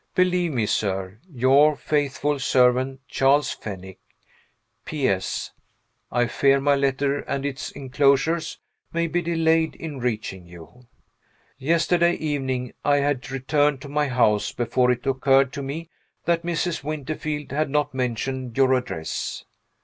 Believe me, sir, your faithful servant, CHARLES FENNICK. P.S. I fear my letter and its inclosures may be delayed in reaching you. Yesterday evening, I had returned to my house, before it occurred to me that Mrs. Winterfield had not mentioned your address.